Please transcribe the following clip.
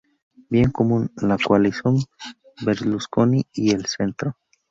Bien Común, la coalición Berlusconi y el centro.